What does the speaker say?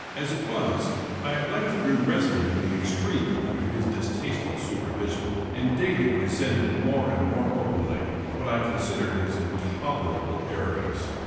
As it was, I at length grew restive in the extreme under his distasteful supervision, and daily resented more and more openly what I considered his intolerable arrogance.